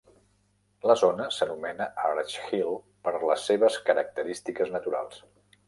La zona s'anomena Arch Hill per les seves "característiques naturals".